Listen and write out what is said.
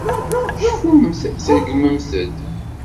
Cfumt, tṛeggmemt-d.